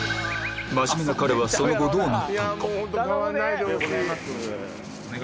真面目な彼はその後どうなったのか？